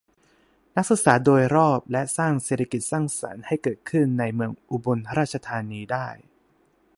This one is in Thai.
นักศึกษาโดยรอบ และ สร้างเศรษฐกิจสร้างสรรค์ให้เกิดขึ้นในเมืองอุบลราชธานีได้